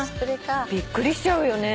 びっくりしちゃうよね